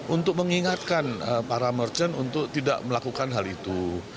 untuk mengingatkan para merchant untuk tidak melakukan hal itu